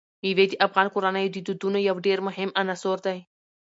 مېوې د افغان کورنیو د دودونو یو ډېر مهم عنصر دی.